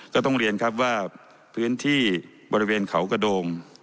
ก็ต้องเรียนครับว่าพื้นที่บริเวณเขากระโดง